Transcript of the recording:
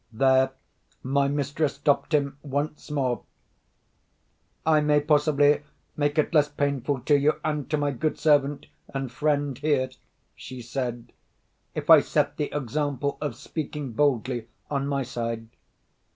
There my mistress stopped him once more. "I may possibly make it less painful to you, and to my good servant and friend here," she said, "if I set the example of speaking boldly, on my side.